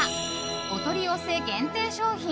お取り寄せ限定商品